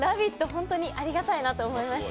本当にありがたいなと思いました